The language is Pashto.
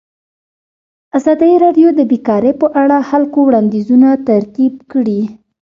ازادي راډیو د بیکاري په اړه د خلکو وړاندیزونه ترتیب کړي.